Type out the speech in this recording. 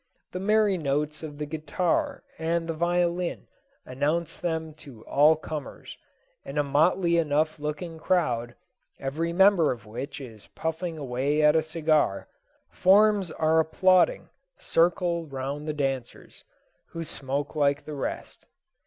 The merry notes of the guitar and the violin announce them to all comers; and a motley enough looking crowd, every member of which is puffing away at a cigar, forms are applauding circle round the dancers, who smoke like the rest.